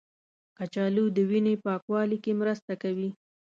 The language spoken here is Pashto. کچالو د وینې پاکوالي کې مرسته کوي.